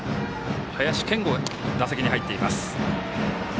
林謙吾が打席に入っています。